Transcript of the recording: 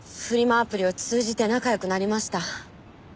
アプリを通じて仲良くなりました。